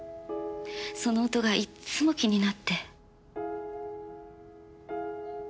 その音がいっつも気になって。